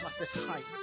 はい。